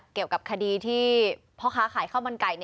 เกี่ยวกับคดีที่พ่อค้าขายข้าวมันไก่